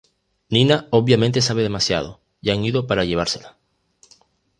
Nina obviamente sabe demasiado, y han ido para llevársela.